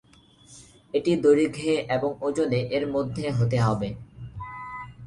এটি দৈর্ঘ্যে এবং ওজনে এর মধ্যে হতে হবে।